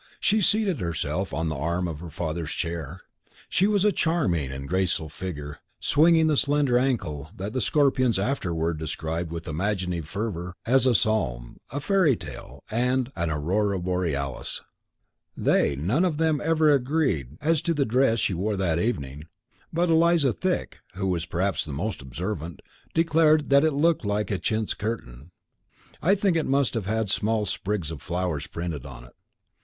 She seated herself on the arm of her father's chair. She was a charming and graceful figure, swinging the slender ankle that the Scorpions afterward described with imaginative fervour as "a psalm," "a fairy tale," and "an aurora borealis." They none of them ever agreed as to the dress she wore that evening; but Eliza Thick, who was perhaps the most observant, declared that it looked like a chintz curtain. I think it must have had small sprigs of flowers printed on it.